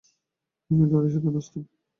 আমি দলের সাথে নাচতাম।